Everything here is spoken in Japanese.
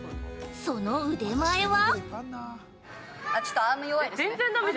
その腕前は◆